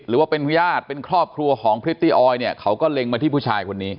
หรือว่าเป็นญาติเป็นครอบครัวของพริตตี้ออยเนี่ยเขาก็เล็งมาที่ผู้ชายคนนี้